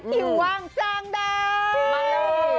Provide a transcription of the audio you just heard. กิวว่างจ้างได้